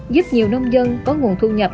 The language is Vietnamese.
giúp nhiều nông dân có nguồn thu nhập